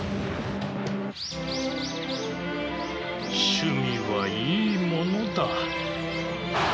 趣味はいいものだ。